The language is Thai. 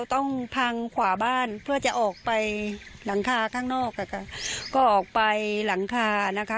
ต้องพังขวาบ้านเพื่อจะออกไปหลังคาข้างนอกอะค่ะก็ออกไปหลังคานะคะ